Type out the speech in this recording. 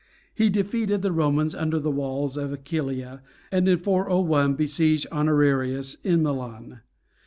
He defeated the Romans under the walls of Aquileia, and in 401 besieged Honorius in Milan.